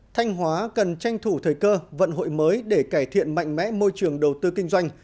thanh hóa cần tranh thủ thời cơ vận hội mới để cải thiện mạnh mẽ môi trường đầu tư kinh doanh